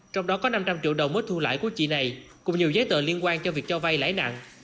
trong đó có năm trăm linh triệu đồng mất thu lãi của chị này cùng nhiều giấy tờ liên quan cho việc cho vai lãi nạn